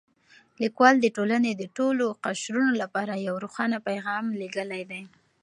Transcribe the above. لیکوال د ټولنې د ټولو قشرونو لپاره یو روښانه پیغام لېږلی دی.